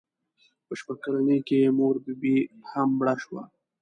په شپږ کلنۍ کې یې مور بي بي هم مړه شوه.